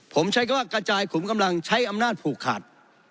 ผมใช้คำว่ากระจายขุมกำลังใช้อำนาจผูกขาด